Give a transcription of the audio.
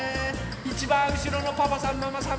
いちばんうしろのパパさんママさんまで。